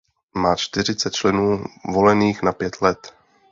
Má čtyřicet členů volených na pět let.